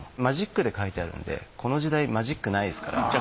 マジックで書いてあるのでこの時代マジックないですから。